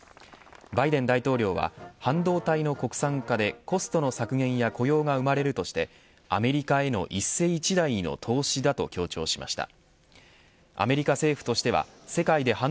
バイデン大統領は半導体の国産化でコストの削減や雇用が生まれるとしてアメリカへの一世一代の投資だと強調しました。